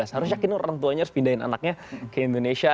harus yakin orang tuanya harus pindahin anaknya ke indonesia